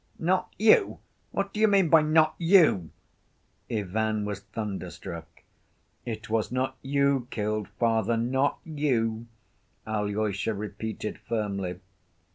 " 'Not you'! What do you mean by 'not you'?" Ivan was thunderstruck. "It was not you killed father, not you!" Alyosha repeated firmly.